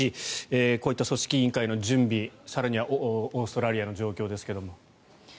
こういった組織委員会の準備更にはオーストラリアの状況ですが。